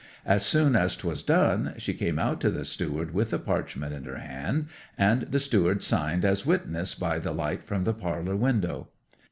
As soon as 'twas done she came out to the steward with the parchment in her hand, and the steward signed as witness by the light from the parlour window.